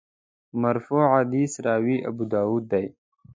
مرفوع حدیث راوي ابوداوود دی.